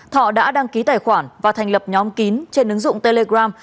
thọ đã đăng ký tài khoản và thành lập nhóm kín trên ứng dụng telegram